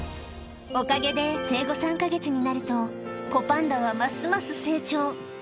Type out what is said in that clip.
おかげで生後３か月になると、子パンダはますます成長。